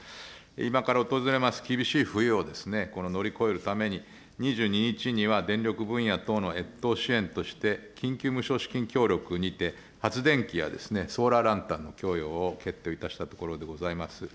今から訪れます厳しい冬を乗り越えるために、２２日には電力分野等の越冬支援として、緊急無償資金協力にて、発電機やソーラーランタンの供与を決定をいたしたところでございます。